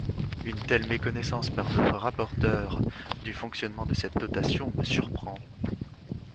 Une telle méconnaissance par notre rapporteure du fonctionnement de cette dotation me surprend.